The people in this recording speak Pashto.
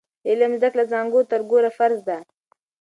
د علم زده کړه له زانګو تر ګوره فرض دی.